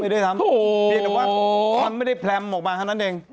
ไม่ดีด้วยซ้ำแต่ว่ามันไม่ได้แพลมออกมาเท่านั้นเองโอ้โฮ